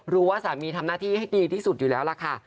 รู้ว่าสามีทำหน้าที่ให้ดีที่สุดอยู่แล้วล่ะค่ะ